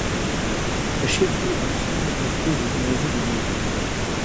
په شعر کي افسون او کوډې موجودي دي.